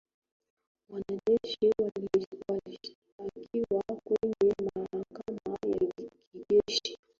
Wanajeshi walishtakiwa kwenye mahakama ya kijeshi